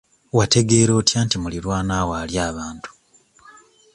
Wategeera otya nti muliraanwa wo alya abantu?